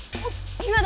今だ！